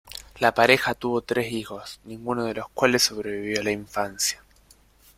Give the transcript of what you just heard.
La pareja tuvo tres hijos, ninguno de los cuales sobrevivió a la infancia.